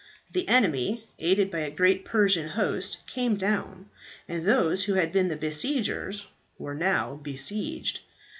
The enemy, aided by a great Persian host, came down, and those who had been the besiegers were now besieged.